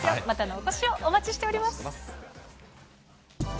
またのお越し、お待ちしております。